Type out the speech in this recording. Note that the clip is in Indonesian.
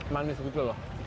manis kecil loh